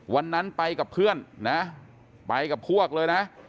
วันนั้นไปกับเพื่อนนะไปกับพวกเลยนะ